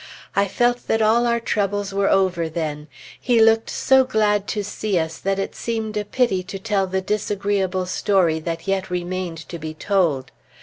I felt that all our troubles were over then. He looked so glad to see us that it seemed a pity to tell the disagreeable story that yet remained to be told.